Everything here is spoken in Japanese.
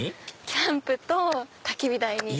キャンプとたき火台に。